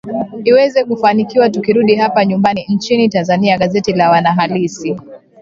iweze kufanikiwa tukirudi hapa nyumbani nchini tanzania gazeti la mwanahalisi